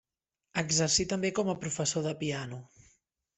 Exercí també com a professor de piano.